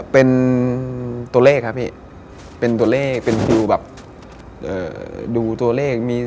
เป็นตัวเลขครับพี่เป็นตัวเลขเป็นดูแบบดูตัวเลข